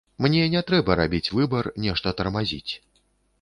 Мне не трэба рабіць выбар, нешта тармазіць.